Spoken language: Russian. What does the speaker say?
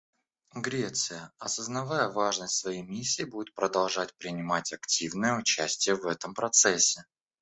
Греция, осознавая важность своей миссии, будет продолжать принимать активное участие в этом процессе.